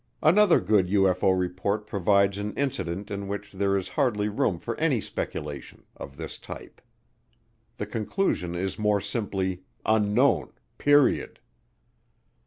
Another good UFO report provides an incident in which there is hardly room for any speculation of this type. The conclusion is more simply, "Unknown," period.